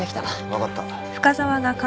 分かった。